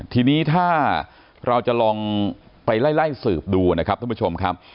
ทีนี้ถ้าเราจะลองไปไล่สืบดูนะครับท่านผู้ชมครับ